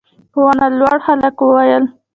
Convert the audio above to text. په ونه لوړ هلک وويل: